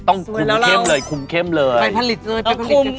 ต้องคุ้มเข้มเลยเหมือนแล้วเราไม่ผลิตด้วย